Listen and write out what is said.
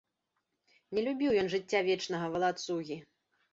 Не любіў ён жыцця вечнага валацугі.